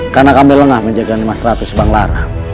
karena kami lengah menjaga nimas ratu sebang lara